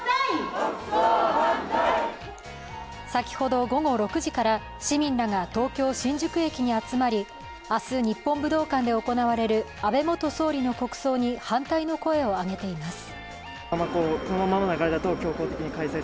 先ほど午後６時から市民らが東京・新宿駅に集まり、明日、日本武道館で行われる安倍元総理の国葬に反対の声を上げています。